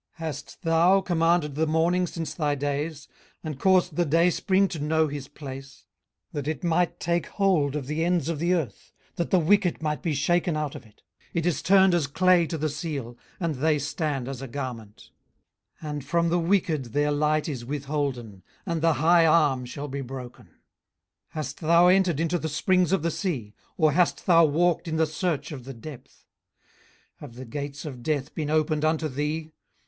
18:038:012 Hast thou commanded the morning since thy days; and caused the dayspring to know his place; 18:038:013 That it might take hold of the ends of the earth, that the wicked might be shaken out of it? 18:038:014 It is turned as clay to the seal; and they stand as a garment. 18:038:015 And from the wicked their light is withholden, and the high arm shall be broken. 18:038:016 Hast thou entered into the springs of the sea? or hast thou walked in the search of the depth? 18:038:017 Have the gates of death been opened unto thee?